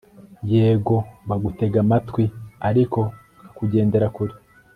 yego, bagutega amatwi, ariko bakakugendera kure